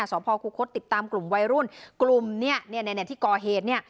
สพคติดตามกลุ่มวัยรุ่นกลุ่มที่ก่อเหตุ